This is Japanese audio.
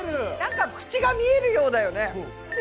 なんか口が見えるようだよね。